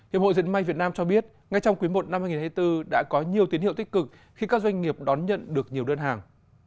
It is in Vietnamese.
hiệp hội diệt may việt nam cho biết ngay trong quý i năm hai nghìn hai mươi bốn đã có nhiều tiến hiệu tích cực khi các doanh nghiệp đón nhận được nhiều đơn hàng